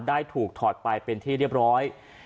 ได้ถูกถอดไปเป็นที่เรียบร้อย